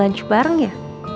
makan siang bareng ya